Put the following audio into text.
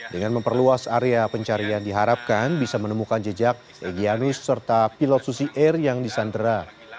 dengan memperluas area pencarian diharapkan bisa menemukan jejak egyanus serta pilot susi air yang disandera